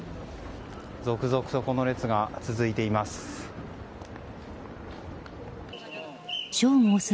続々と列が続いています。